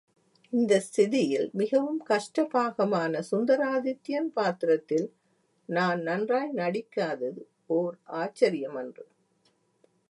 இந்த ஸ்திதியில், மிகவும் கஷ்ட பாகமான சுந்தராதித்யன் பாத்திரத்தில் நான் நன்றாய் நடிக்காதது ஓர் ஆச்சரியமன்று.